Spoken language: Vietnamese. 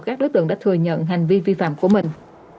các đối tượng đã thừa nhận hành vi vi phạm của mình